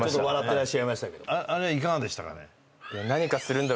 あれいかがでしたかね？